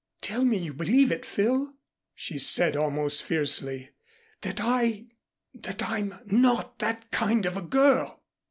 "Tell me you believe it, Phil," she said almost fiercely, "that I that I'm not that kind of a girl."